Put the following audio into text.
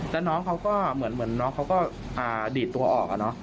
แล้วน้องเขาก็เหมือนน้องเขาก็ดีดตัวออก